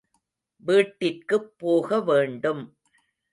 வீட்டிற்குப் போக வேண்டும்.